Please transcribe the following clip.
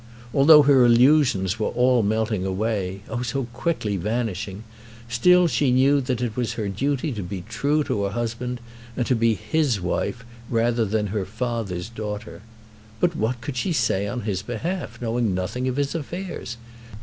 Although her illusions were all melting away, oh, so quickly vanishing, still she knew that it was her duty to be true to her husband, and to be his wife rather than her father's daughter. But what could she say on his behalf, knowing nothing of his affairs?